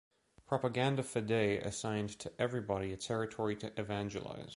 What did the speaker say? Propaganda Fide assigned to everybody a territory to evangelize.